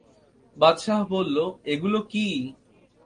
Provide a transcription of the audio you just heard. বাদশাহ বলল, এগুলো কি?